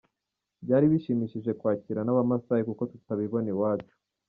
Byari bishimishije kwakirwa n’aba Massai kuko tutabibona iwacu.